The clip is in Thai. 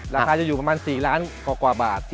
ราคาจะอยู่ประมาณ๔ล้านกว่าบาท